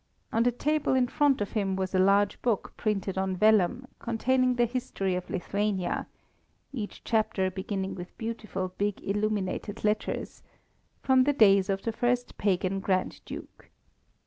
On the table in front of him was a large book printed on vellum, containing the history of Lithuania (each chapter beginning with beautiful big illuminated letters), from the days of the first pagan Grand Duke.